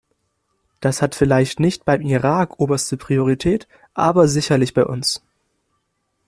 Das hat vielleicht nicht beim Irak oberste Priorität, aber sicherlich bei uns.